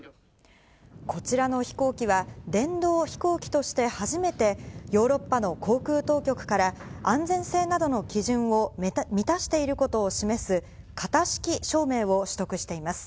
こちらの飛行機は、電動飛行機として初めて、ヨーロッパの航空当局から、安全性などの基準を満たしていることを示す型式証明を取得しています。